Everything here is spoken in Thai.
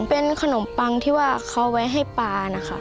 เป็นขนมปังที่ว่าเขาไว้ให้ปลานะคะ